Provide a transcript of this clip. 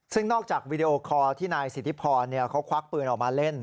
ซึ่งนอกจากวีดีโอคอร์ที่นายสิทธิพรเขาควักปืนออกมาเล่น